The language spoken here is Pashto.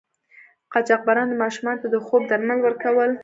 قاچاقبرانو ماشومانو ته د خوب درمل ورکول.